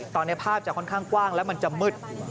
ตอนนี้ภาพจะค่อนข้างกว้างแล้วมันจะมืด